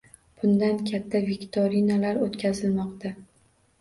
Bunda katta viktorinalar o‘tkazilmoqda.